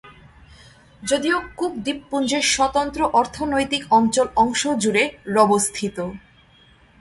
যদিও কুক দ্বীপপুঞ্জের স্বতন্ত্র অর্থনৈতিক অঞ্চল অংশ জুড়ে রবস্থিত।